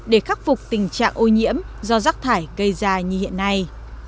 để khắc phục tình trạng ô nhiễm do rác thải gây ra như hiện nay